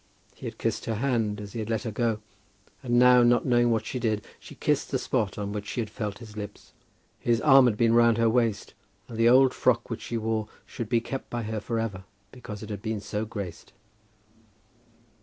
He had kissed her hand as he let her go, and now, not knowing what she did, she kissed the spot on which she had felt his lips. His arm had been round her waist, and the old frock which she wore should be kept by her for ever, because it had been so graced.